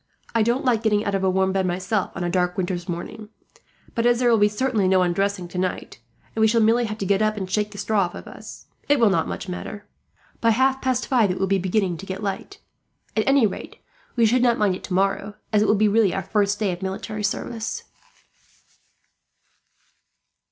I don't like getting out of a warm bed, myself, on a dark winter's morning; but as there will be certainly no undressing tonight, and we shall merely have to get up and shake the straw off us, it will not matter much. By half past five it will be beginning to get light. At any rate, we should not mind it tomorrow, as it will be really our first day of military service."